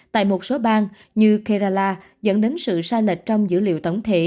tại một số bang như karala dẫn đến sự sai lệch trong dữ liệu tổng thể